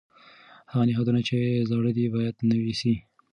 هغه نهادونه چې زاړه دي باید نوي سي.